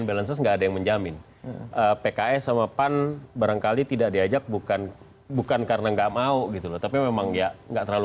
es sama pan barangkali tidak diajak bukan bukan karena enggak mau gitu tapi memang ya enggak terlalu